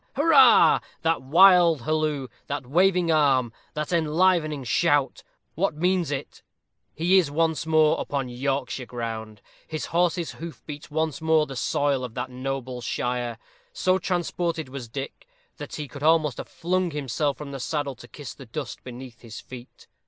hurrah! That wild halloo, that waving arm, that enlivening shout what means it? He is once more upon Yorkshire ground; his horse's hoof beats once more the soil of that noble shire. So transported was Dick, that he could almost have flung himself from the saddle to kiss the dust beneath his feet.